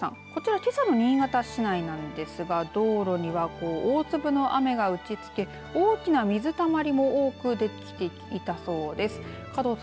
こちらは、けさの新潟市内なんですが道路には大粒の雨が打ちつけ大きな水たまりも多くできていたそうです。